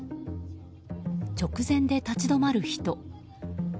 直前で立ち止まる人。